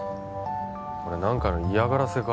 これ何かの嫌がらせか？